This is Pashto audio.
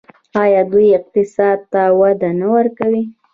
آیا دوی اقتصاد ته وده نه ورکوي؟